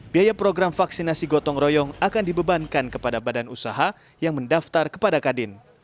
biaya program vaksinasi gotong royong akan dibebankan kepada badan usaha yang mendaftar kepada kadin